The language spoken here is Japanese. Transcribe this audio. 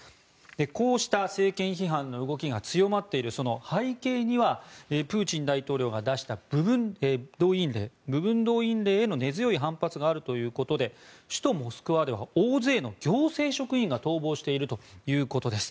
こうした政権批判の動きが強まっている、その背景にはプーチン大統領が出した部分動員令への根強い反発があるということで首都モスクワでは大勢の行政職員が逃亡しているということです。